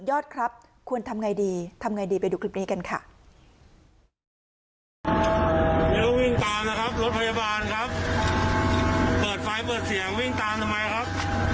พยาบาลครับเปิดไฟเปิดเสียงวิ่งตามทำไมครับ